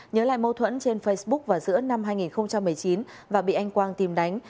nhớ lại mâu thuẫn trên facebook vào giữa năm hai nghìn một mươi chín và bị anh quang tìm đánh